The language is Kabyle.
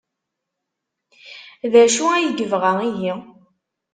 D acu ay yebɣa ihi?